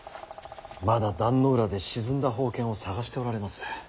まだ壇ノ浦で沈んだ宝剣を捜しておられます。